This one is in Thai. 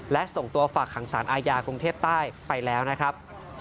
และส่งตัวฝากขังสารอาญากรุงเทพใต้ไปแล้วนะครับ